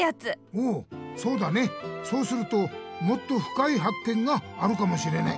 おおそうだねそうするともっとふかいはっけんがあるかもしれない。